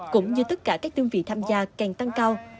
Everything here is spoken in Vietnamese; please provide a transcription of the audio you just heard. cũng như tất cả các tương vị tham gia càng tăng cao